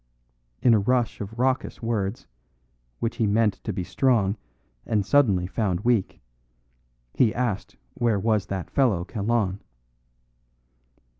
In a rush of raucous words, which he meant to be strong and suddenly found weak, he asked where was that fellow Kalon.